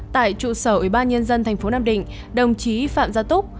tại trụ sở ubnd tp nam định đồng chí phạm gia túc